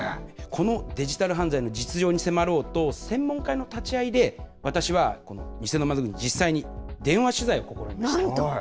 このデジタル犯罪の実情に迫ろうと、専門家の立ち会いで、私は偽の窓口に、実際に電話取材を試みました。